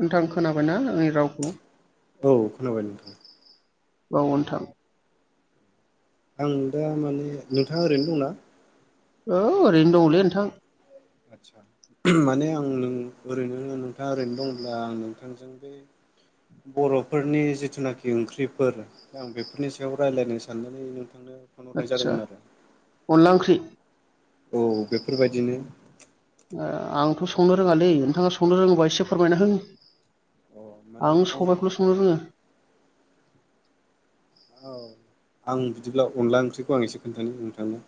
नोंथां खोनाबायना आंनि रावखौ‌? औ खोनाबाय नोंथां। ओ नोंथां। आं दा माने नोंथाङा ओरैनो दंना? औ ओरैनो दंलै नोंथां। आदसा माने आं नों ओरैनो नोंथाङा ओरैनो दंब्ला आं नोंथांजों बे बर'फोरनि जिथुनाखि ओंख्रिफोर आं बेफोरनि सायाव रायज्लायनो साननानै नोंथ आथसा अनला ओंख्रि। औ बेफोरबायदिनो। ओ आंथ' संनो रोङालै नोंथाङा संनो रोङोबा एसे फोरमायना हो। अ माने आं सबायखौल' संनो रोङो। औ आं बिदिब्ला अनला ओंख्रिखौ आं एसे खोन्थानि नोंथांनो।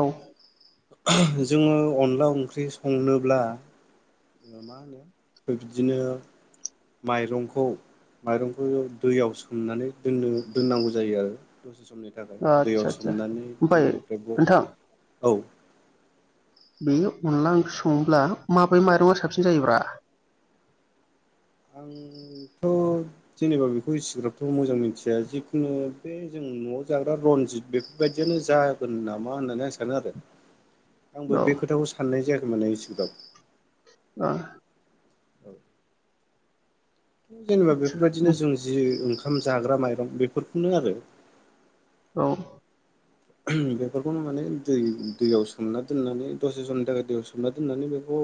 औ। जोंङो अनला ओंख्रि संनोब्ला। मा होनो बिदिनो माइरंखौ माइरंखौ दैयाव सोमनानै दोनो दोननांगौ जायो आरो दस समनि थाखाय आदसा दैयाव आदसा सोमनानै ओमफ्राय दैनिफ्राय नोंथां बख औ बे अनला ओंख्रिखौ संङोब्ला माबे माइरंआ साबसिन जायोब्रा? आंथ' जेनेबा बेखौ एसिग्राबथ' मोजां मिथिया जिखुनु बे जों न'आव जाग्रा रनजित बेफोरबायदियानो जागोन नामा होननानै आं सानो आरो। आंबो औ बे खोथाखौ साननाय जायाख माने इसिग्राब औ। [inaudible] जेनेबा बेफोरबायदिनो जों जि ओंखार ओंखाम जाग्रा माइरं बेफोरखौनो आरो औ बेफोरखौनो माने दै दैयाव सोमना दोननानै दसे जननि थाखाय दैयाव सोमना दोननानै बेखौ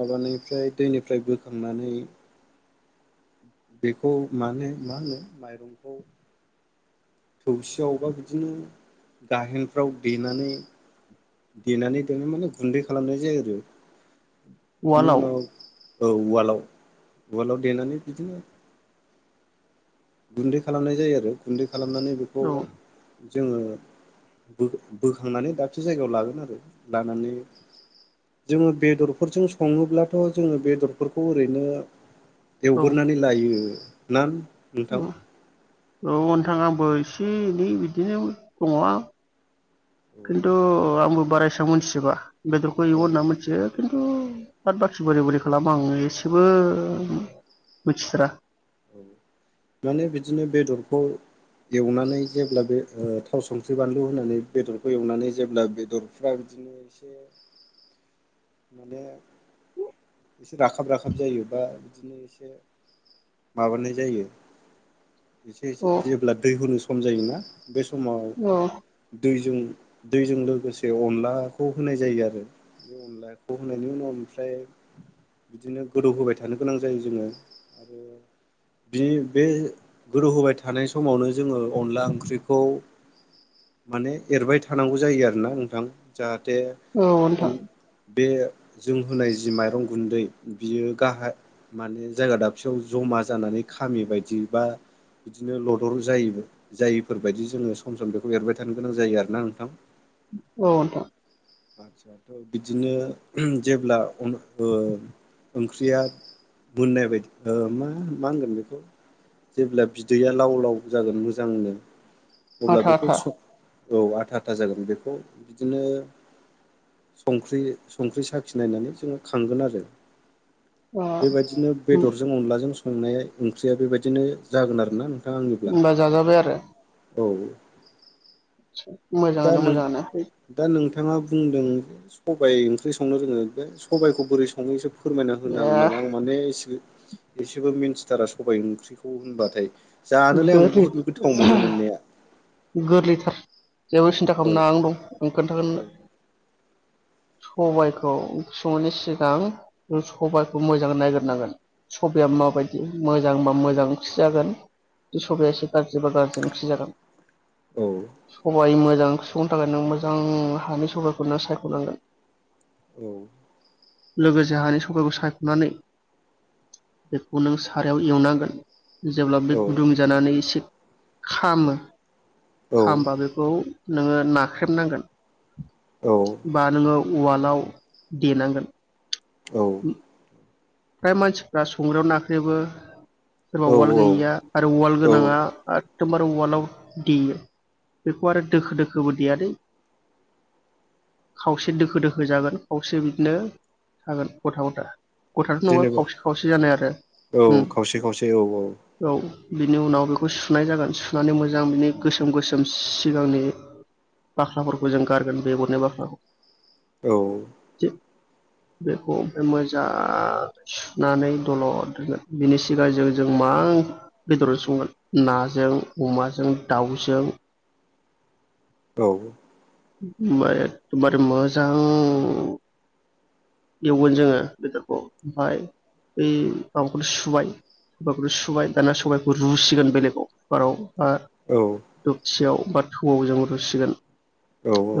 माबानिफ्राय दैनिफ्राय बोखांनानै बेखौ मान मा होनो माइरंखौ थौसियावबेबा बिदिनो गाहेनफ्राव देनानै देनानै देनो माने गुन्दै खालामनाय जायो आरो बिनि उवालाव उनाव औ उवालाव उवालाव देनानै बिदिनो गुन्दै खालामनाय जायो आरो गुन्दै खालामनानै औ बेखौह जोङो बोखांनानै दाबसे जायगायाव लागोन आरो लानानै जोङो बेदरफोरजों सङोब्लाथ' जोङो बेदरफोरखौ ओरैनो एवग्रोनानै लायो ना नोंथां औ औ नोंथा आंबो एसे एनै बिदिनो दंङ किन्तु औ आंबो बारा एसां मिन्थिजोबा बेदरखौ एवो होनना मिथियो द बाखि बोरै बोरै खालामो आं एसेबो मिथिथारा माने बिदिनो बेदरखौ एवनानै जेब्ला बे थाव संख्रि बानलु होनानै बेदरखौ एवनानै जेब्ला बेदरफ्रा बिदिनो एसे माने एसे राखाब राखाब जायो बा बिदिनो एसे माबानाय जायो एसे एसे औ जेब्ला दै होनो खम जायोना बे समाव औ दैजों दैजों लोगोसे अनलाखौ होनाय जायो आरो बे अनलाखौ होनायनि उनाव ओमफ्राय बिदिनो गोदौ होबाय थानो गोनां जायो जोङो आरो बिनि बे गोदौ होबाय थानाय समावनो जोङो अनला ओंख्रिखौ माने एरबाय थानांगौ जायो आरोना नोंथां जाह दे औ उन नोंथां बे जों होनाय जि माइरं गुन्दै बियो गाहाय माने जायगा दाबसेयाव ज'मा जानानै खामि बायदि बा बिदिनो लदर जायो जायिफोरबायायदि जोङो सम सम बेखौ एरबाय थानो गोनां जायो आरोना नोंथां औ नोंथां आचसा थ' बिदिनो जेब्ला ओ ओंख्रिया मोननाय बायदि मा मा होनगोन बेखौ जेब्ला बिदैया लाव लाव जागोन मोजांनो अब्ला आथा बेखौ आथा स औ आथा आथा जागोन बेखौ बिदिनो संख्रि संख्रि साखि नायनानै जोङो खांगोन आरो अ बेबायदिनो बेदरजों अनलाजों संनाया ओंख्रिया बेबायदिनो जागोन आरो नां होनबा जाजाबाय आरो औ मोजांङानो मोजांङानो थांङा बुंदों सबाइ ओंख्रि संनो रोङो बे सबबायखौ बोरै संङो एसे फोरमायना होनो हागोन नामा? आं माने एसेबो मिन्थिथारा सबाय ओंख्रिखौ होनबाथाय जानोलाय आं गोरलि बुहुद गोथाव मोनो मोननाया गोरलैथार जेबो सिन्था औ खालामना आं दं आं खोन्थागोन औ नोंनो सबायखौ ओंख्रि संनायनि सिगां सबाइखौ मोजां नायग्रोनांगोन सबायआ माबायदि मोजांबा मोजां [unintelligible] जाजागोन सबाया एसे गाज्रि बा गाज्रि ओंख्रि जाजागोन औ सबाय मो जां सुफुंनो थाखाय नों मोजां हानि सबायखौ नों सायख'नांगोन औ लोगोसे हानि सकाइखौ सायख'नानै बेखौ नों सारायाव एवनांगोन जेब्ला बे औ गुदुं जानानै एसे खामो औ खामबा बेखौ नोङो नाख्रेबनांगोन औ बा नोंङो उवालाव देनांगोन औ फ्राय मानसिफ्रा संग्रायाव नाख्रेबो सोरबा औ उवाल गैयैया आरो उवाल औ गोनांङा एखदमबारे वालाव देयो बेखौ आरो दोखो दोखोबो देयादै खावसे दोखो दोखो जागोन खावसे बिदिनो थागोन गथा गथा गथाथ' नङा जेनेबा खावसे खावसे जानाय आरो औ उम खावसे खावसे औ औ बिनि उनाव बेखौ सुनाय जागोन सुनानै मोजां बिनि गोसोम गोसोम सिगांनि बाख्राफोरखौ जों गारगोन बेगरनि बाख्राखौ औ बेखौ मोजां सुनानै दलद दोनगोन बेनि सिगां जों जों मा बेदरजों संगोन नाजों अमाजों दाउजों औ ओफाय एदमबारे मोजां एवगोन जोङो बेदरखौ ओमफाय बै माबाखौनो सुबाय बाखौनो सुबाय दाना सबायखौ रुसिगोन बेलेगाव कुकाराव आ दबथियाव बा थौआव जों रुसिगोन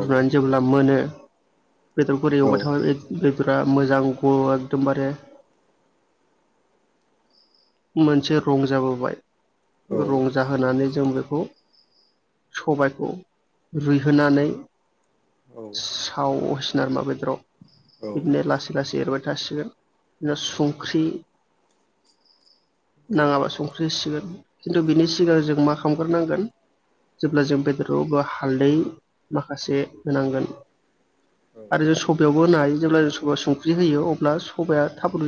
रुनानै जेब्ला मोनो बेदरखौ ओरै औ एवबायथाबाय बिराद मोजां ग एकदमबारे मोनसे रं जाबोबाय औ रंजाहोनानै जों बे खौ सबायखौ रुइहोनानै औ साव बोरमा बेदराव बिदिनो लासै लासै एरबाय थासिगोन इयाव संख्रि नाङाबा संख्रि होसिगोन खिन्थु बिनि सिगां जों मा संग्रोनांगोन जेब्ला जों बेदरावबो हालदै माखासे होनांगोन। आरो सबायाव होनो हायो जेब्ला सबा संख्रि होयो अब्ला सबाया थाब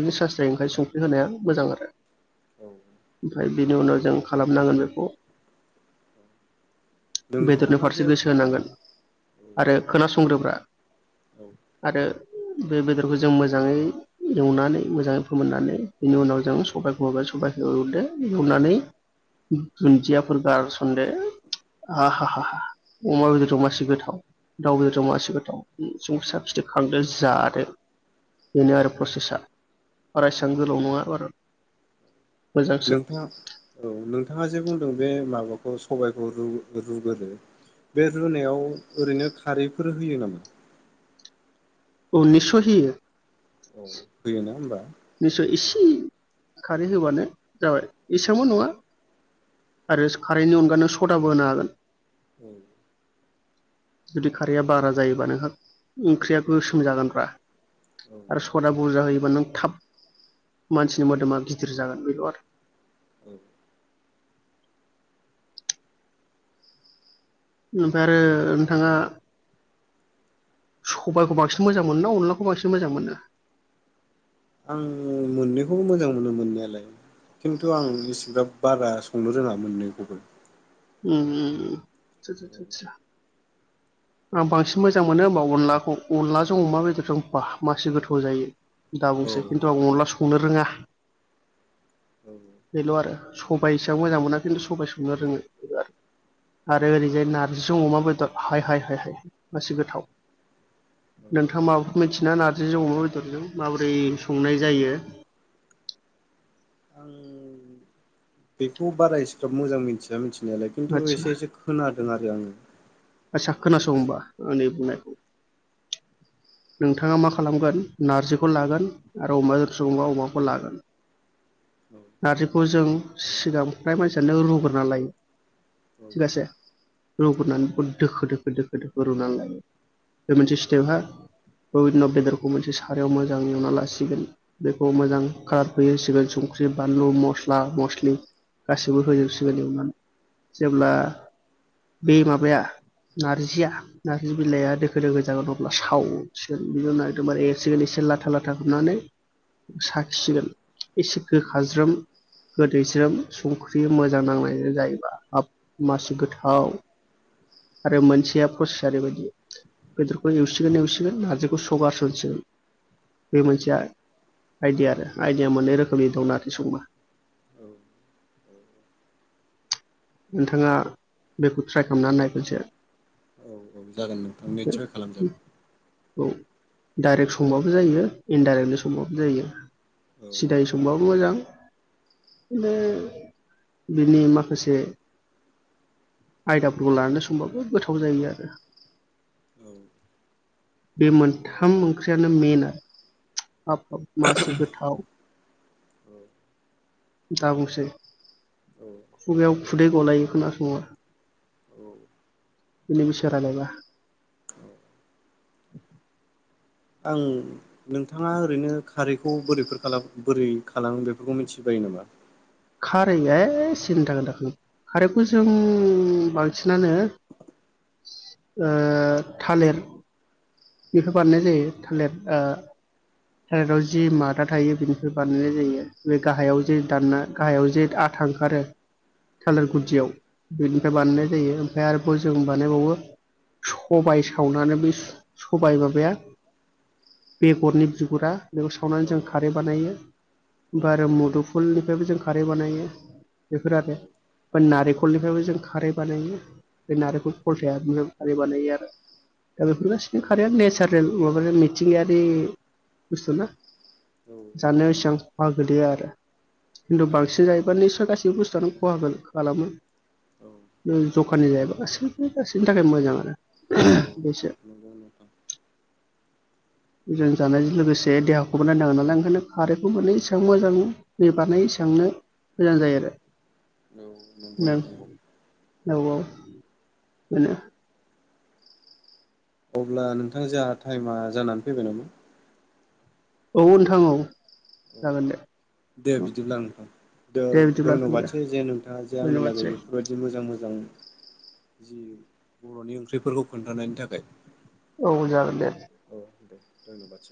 ओमफ्राय बेनि उनाव जों खालामनांगोन बेखौ बेदरनि नोंथाङा फारसे जे औ गोसो होनांगोन आरो खोना बुंग्रोब्रा औ आरो बे बेदरखौ जों मोजांङै एवनानै मोजांङै फोमोननानै बेनि उनाव जों सबाय [unintelligible] सबायखौ हरदो हरनानैनानै दुन्दियाफोर गारसनदो आहा हाहा हा अमा बेदरा मासे गोथाव दाउ बेदरा मा एसे गोथाव संख्रि साखिदो ओमफ्राय जादो। बेनो आरो प्रसेसा बारा एसेबां गोलाव नङा बारु नोंथाङा औ नोंथाङा जे बुंदों बे माबा खौ सबायखौ रु-रुगोरो । बे रुनायाव ओरैनो खारैफोर होयो नामा? औ निसय होयो। औ होयो ना होमबा निस्सय इसे खारै होबानो जाबाय। एसेबांबो नङा आरो खारैनि अनगानो सदाबो होनो हागोन। औ जुदि खारैया बारा जायोबा नोंहा ओंख्रिया गोसोम जागोनब्रा। औ आरो सदा बुरजा होयो नों थाब मानसिनि मोदोमा गिदिर जागोन बेल' आरो औ ओमफाय आरो नोंथाङा सबायखौ बांसिन मोजां मोनो ना अनलाखौ बांसिन मोजां मोनो? आंङो मोननैखौबो मोजां मोनो मोननायालाय खिन्थु आं इसेब्राब बारा संनो रोङा मोननैखौबो। उम उम उम [unintelligible] आं बांसिन मोजां मोनो होमबा अनलाखौ। अनलाजों अमा बेदरजों बाह मासि गोथाव जायो। दा बुंसै किन्तु आं अनला सं संनो रोंङा औ बेल' आरो सबाय एसां मोजां मोना खिन्थु सबाय संनो रोङो बे आरो ओरैजाय नारजिजों अमा बेदर हाय हाय हाय हाय मासे गोथाव औ नोंथाङ माबाखौ मिथिना नारजिजों अमा बेदरजों माबोरै संनाय जायो? आं बेखौ बारा एसेबाब मोजां मिनथिया मिनथि [unintelligible] खिन्थु एसे एसे खोना दों आरो आंङो आचसा खोनासं होनबा आंनि बुंनायखौ नोंथाङा मा खालामगोन नार्जिखौ लागोन आरो अमाजों संबा अमाखौ लागोन औ नारजिखौ जों सिगां फ्राय मानसियानो रुग्रना लायो औ थिगसे रुग्रनानै बेखौ दोखो दोखो दोखो दोखो रुनानै लायो बे मोनसे स्टेपहा [unintelligible] बेदरखौ मोनसे सारायाव मोजां एवना लासिगोन बेखौ मोजां कालार होजोबसिगोन संख्रि बानलु मस्ला मस्लि गासिबो होजोबसिगोन एवनानै जेब्ला बे माबाया नार्जिया नार्जि बिलाइया दोखो दोखो जागोन अब्ला सावो सिगोन बिनि उनाव एबदमबारे एरसिगोन एसे लाथा लाथा खुमनानै साखिसिगोन एसे गोखाज्रोम गोदैस्रोम संख्रि मोजां नांनाय जाहैबा हाब मासि गोथाव आरो मोनसेया प्रसेस ओरैबायदि बेदरखौ एवसिगोन एवसि गोन नारजिखौ [unintelligible] बे मोनसे आइदिया आरो आइदिया मोननै रोखोमनि दं नारजि संबा औ नोंथाङा बेखौ ट्राइ खालामनानै नाय खनसे औ औ जागोन नोंथां निसय खालामजागोन औ डाइरेक्ट संबाबो जायो इनडाइरेक्टलि संबाबो जायो औ सिदायै संबाबो मोजां बे बिनि माखासे आयदाफोरखौ लानानै संबाबो गोथाव जायो आरो बे मोनथाम ओंख्रियानो मेन आरो हाब हाब मासि गोथाव दा बुंसै औ खुगायाव खुदै गलायो खोनासंबा औ बिनि बिसय रायलायबा आं नोंथाङा ओरैनो खारैखौ बोरैफोर बोरै खालामो बेफोरखौ मिथिबायो नामा खारै ए सिनथा दाखालाम खारैखौ औ जों बांसिनानो ओ थालिर निफ्रार बानायनाय जायो थालिर ओ थालिराव जि मादा थायो बेनिफ्राय बानायनाय जायो बे गाहायाव जे दानना गाहायाव जे आथा ओंखारो थालिर औ गुदियाव बेनिफ्राय औ बानायनाय जायो ओमफ्राय आरोबाव जों बानायबावो सबाय सावनानै बे सबाय माबाया बेगरनि बिगुरा बेखौ सावनानै औ जों खारै बानायो आफ्राय आरो मुदुफुलनिफ्रायबो जों खारै बानायो बेफोर आरो नारेंखलनिफ्रायबो जों खारै बानायो बे औ नारेंखल फलथाया खारै बानायो आरो दा औ बेफोर गासै बि खारैया नेचारेल माबा मिथिंगायारि बुस्थु ना औ जानायाव नंगौ एसेगां नोंथां खहा गोलैया आरो खिन्थु औ बांसिन जायोबा निस्सय गासैबो बुस्थुआनो खहा खालामो जखानि जायोबा गासैबो गासैनि थाखाय मोजां आरो औ बेसो नंगौ नोंथां मोजां जानायजों लोगोसे देहाखौबो नायनाांगोन नालाय ओंखायनो खारैखौबो औ एसेबां मोजां दै बानायानाय एसेबांनो मोजां जायो आरो नंगौ नंगौ नों औ औ बेनो अब्ला नोंथां जोंहा टाइमा जानानै फैबाय नामा औ नोंथां औ औ जागोन दे दे बिदिब्ला नोंथां दो दे बिदिब्ला नोंथां दे दैन्यबादसै जे नोंथाङा जे आंनो लागै धन्यबादसै बेफोरबायदि मोजां मो जां जि बर'नि ओंख्रिफोरखौ खोन्थानायनि थाखाय औ जागोन दे औ दे धन्यबादसै